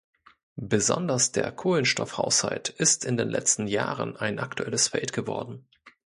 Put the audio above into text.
Besonders der Kohlenstoff-Haushalt ist in den letzten Jahren ein aktuelles Feld geworden.